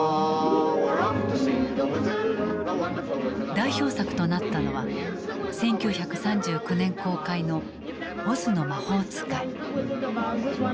代表作となったのは１９３９年公開の「オズの魔法使」。